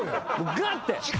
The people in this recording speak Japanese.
ガッて。